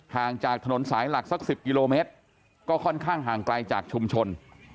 ห่างจากถนนสายหลักสัก๑๐กิโลเมตรก็ค่อนข้างห่างไกลจากชุมชน